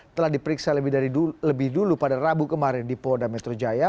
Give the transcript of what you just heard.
telah diperiksa lebih dulu pada rabu kemarin di polda metro jaya